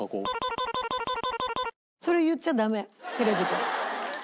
それ言っちゃダメテレビで。